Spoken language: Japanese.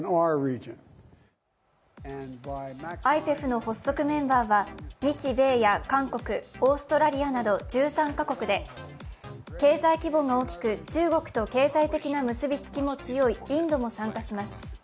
ＩＰＥＦの発足メンバーは日米や韓国、オーストラリアなど１３カ国で、経済規模が大きく中国と経済的な結びつきも強いインドも参加します。